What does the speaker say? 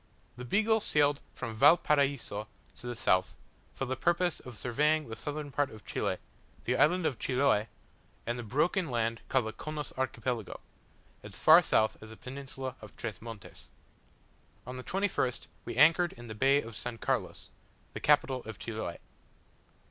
The Beagle sailed from Valparaiso to the south, for the purpose of surveying the southern part of Chile, the island of Chiloe, and the broken land called the Chonos Archipelago, as far south as the Peninsula of Tres Montes. On the 21st we anchored in the bay of S. Carlos, the capital of Chiloe.